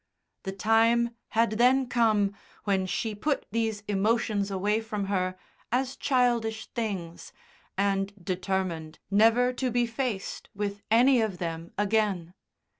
The time had then come when she put these emotions away from her as childish things, and determined never to be faced with any of them again.